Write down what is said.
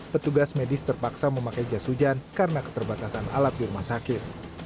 petugas medis terpaksa memakai jas hujan karena keterbatasan alat di rumah sakit